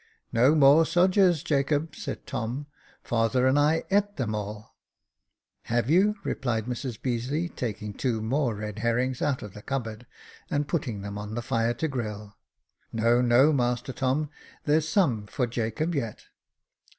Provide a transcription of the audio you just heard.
"No more sodgers, Jacob," said Tom; "father and I eat them all." "Have you?" replied Mrs Beazeley, taking two more red herrings out of the cupboard, and putting them on the fire to grill; "no, no, master Tom, there's some for Jacob yet."